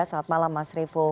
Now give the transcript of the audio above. selamat malam mas revo